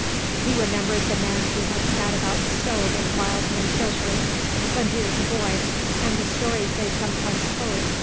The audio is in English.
He remembered the men who had sat about the stove in Wildman's grocery when he was a boy and the stories they sometimes told.